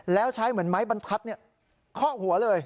แล้วใช้เหมือนไม้บรรทัศน์เคาะหัวเลย